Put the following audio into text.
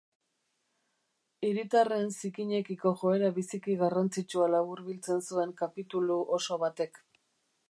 Hiritarren zikinekiko joera biziki garrantzitsua laburbiltzen zuen kapitulu oso batek.